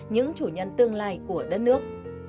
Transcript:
những chủ nhân tương lai của đất nước